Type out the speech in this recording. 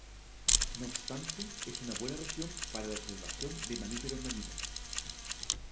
No obstante, es una buena región para la observación de mamíferos marinos.